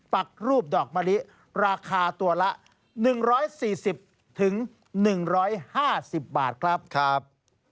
ปักรูปดอกมะลิราคาตัวละหนึ่งร้อยสี่สิบถึงหนึ่งร้อยห้าสิบบาทครับครับ